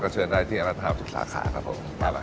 ก็เชิญได้ที่อันตราฮาลจุดสาขาครับ